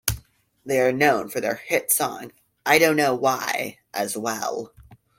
They are known for their hit song "I Don't Know Why" as well.